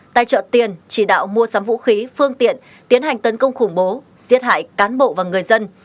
tài trợ tiền chỉ đạo mua sắm vũ khí phương tiện tiến hành tấn công khủng bố giết hại cán bộ và người dân